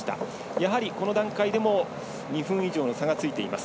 やはり、この段階でも２分以上の差がついています。